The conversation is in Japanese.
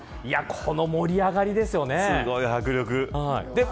この盛り上がりですよね。